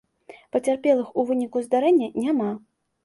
Пацярпелых у выніку здарэння няма.